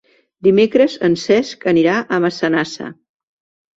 Dimecres en Cesc anirà a Massanassa.